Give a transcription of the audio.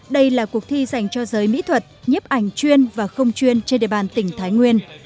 đây là cuộc thi dành cho giới mỹ thuật nhiếp ảnh chuyên và không chuyên trên địa bàn tỉnh thái nguyên